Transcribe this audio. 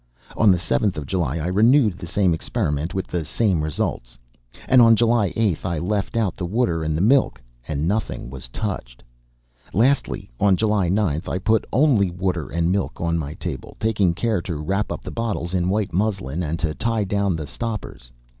On the seventh of July I renewed the same experiment, with the same results, and on July 8th, I left out the water and the milk and nothing was touched. Lastly, on July 9th I put only water and milk on my table, taking care to wrap up the bottles in white muslin and to tie down the stoppers.